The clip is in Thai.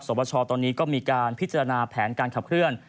ประชาตอนนี้ก็มีการพิจารณาแผนการขับเคลื่อน